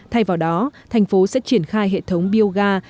thay vào đó thành phố sẽ triển khai hệ thống bioga